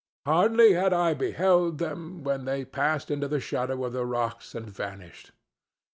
Hardly had I beheld them, when they passed into the shadow of the rocks and vanished.